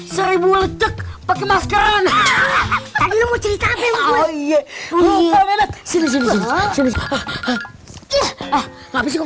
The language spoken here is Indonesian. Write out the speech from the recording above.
seribu lecek pakai maskeran